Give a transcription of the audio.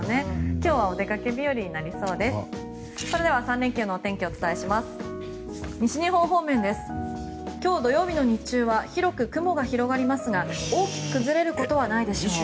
今日土曜日の日中は広く雲が広がりますが大きく崩れることはないでしょう。